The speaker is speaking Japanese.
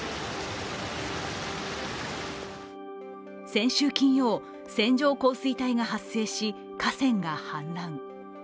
先週金曜、線状降水帯が発生し河川が氾濫。